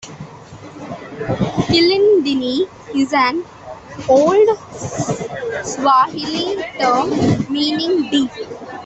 "Kilindini" is an old Swahili term meaning "deep".